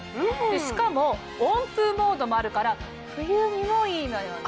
しかも温風モードもあるから冬にもいいのよね。